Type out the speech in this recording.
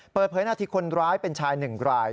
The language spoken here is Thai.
เปิดเผยหน้าที่คนร้ายเป็นชายหนึ่งราย